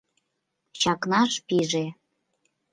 Чакнаш пиже.